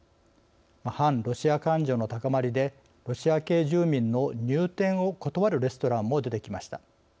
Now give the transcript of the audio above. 反ロシア感情の高まりでロシア系住民の入店を断るレストランも出てきました。